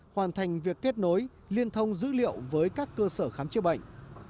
hoàn thành việc kết nối liên thông dữ liệu với các cơ sở khám chữa bệnh